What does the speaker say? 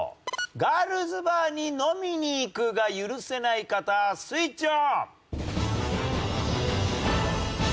ガールズバーに飲みに行くが許せない方スイッチオン！